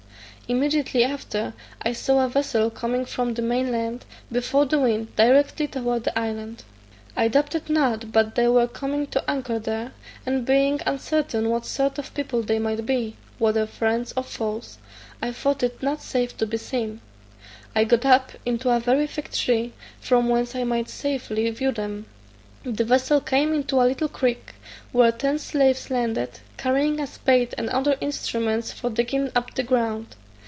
Immediately after, I saw a vessel coming from the main land, before the wind, directly towards the island. I doubted not but they were coming to anchor there; and being uncertain what sort of people they might be, whether friends or foes, I thought it not safe to be seen. I got up into a very thick tree, from whence I might safely view them. The vessel came into a little creek, where ten slaves landed, carrying a spade and other instruments for digging up the ground.